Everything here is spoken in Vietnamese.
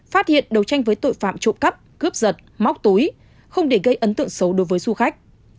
phát hiện đấu tranh với tội phạm trộm cắp cướp giật móc túi không để gây ấn tượng xấu đối với du khách